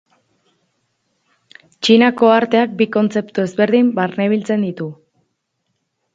Txinako arteak bi kontzeptu ezberdin barnebiltzen ditu.